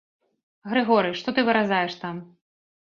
Грыгоры, што ты выразаеш там?